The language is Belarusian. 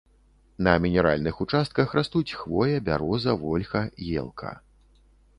На мінеральных участках растуць хвоя, бяроза, вольха, елка.